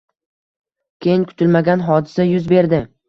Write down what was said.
Keyin kutilmagan hodisa yuz berdi